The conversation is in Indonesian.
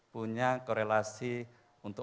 punya korelasi untuk